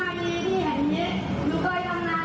คนเดียวกัน